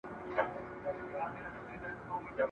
پاکوالی له ناروغۍ څخه د مخنیوي لومړی ګام دئ.